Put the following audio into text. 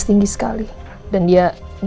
bertunggu sekarang lagi